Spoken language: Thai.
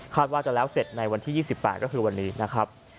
ว่าจะแล้วเสร็จในวันที่๒๘ก็คือวันนี้นะครับ